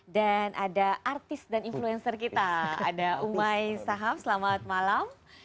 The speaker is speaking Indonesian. dan ada artis dan influencer kita ada umai sahab selamat malam